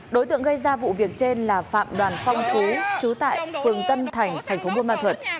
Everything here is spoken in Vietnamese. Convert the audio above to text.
đối tượng gây ra vụ việc trên là phạm đoàn phong phú trú tại phường tân thành thành phố buôn ma thuật